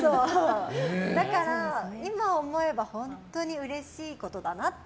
だから今思えば本当にうれしいことだなって。